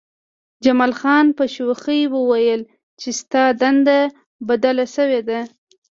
جمال خان په شوخۍ وویل چې ستا دنده بدله شوې ده